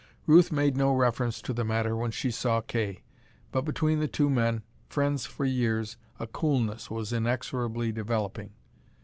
Ruth made no reference to the matter when she saw Kay. But between the two men, friends for years, a coolness was inexorably developing.